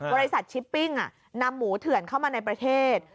บริษัทชิปปิ้งนำหมูเถื่อนเข้ามาในประเทศ